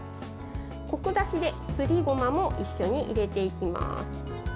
こく出しですりごまも一緒に入れていきます。